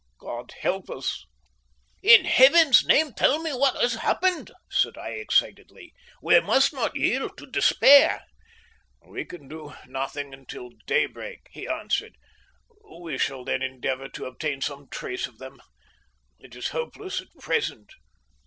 God help us!" "In Heaven's name tell me what has happened?" said I excitedly. "We must not yield to despair." "We can do nothing until daybreak," he answered. "We shall then endeavour to obtain some trace of them. It is hopeless at present."